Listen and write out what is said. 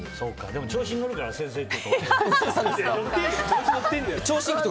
でも、調子に乗るから先生って呼ぶと。